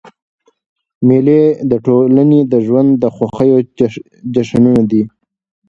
مېلې د ټولني د ژوند د خوښیو جشنونه دي.